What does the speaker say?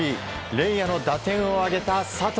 連夜の打点を挙げた佐藤。